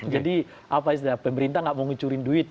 jadi apa istilahnya pemerintah nggak mau ngucurin duit